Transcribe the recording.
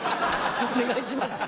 お願いしますよ。